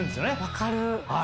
分かる。